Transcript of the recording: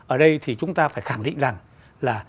ở đây thì chúng ta phải khẳng định rằng là